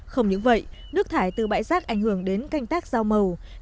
không những vậy nước thải từ bãi rác ảnh hưởng đến canh tác dao màu